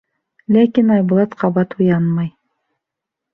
Ләкин Айбулат ҡабат уянмай.